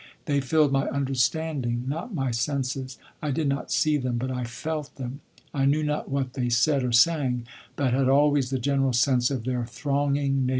They filled my understanding not my senses. I did not see them but I felt them. I knew not what they said or sang, but had always the general sense of their thronging neighbourhood.